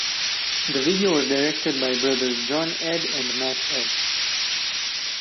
The video was directed by brothers John Edde and Matt Edde.